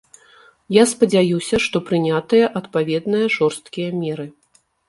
Я спадзяюся, што прынятыя адпаведныя жорсткія меры.